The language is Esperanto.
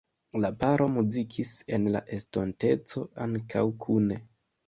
La paro muzikis en la estonteco ankaŭ kune.